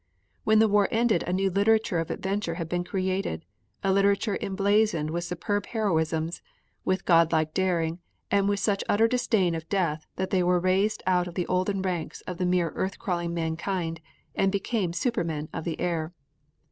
When the war ended a new literature of adventure had been created, a literature emblazoned with superb heroisms, with God like daring, and with such utter disdain of death that they were raised out of the olden ranks of mere earth crawling mankind and became supermen of the air.